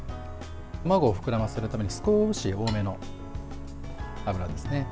卵を膨らませるために少し多めの油ですね。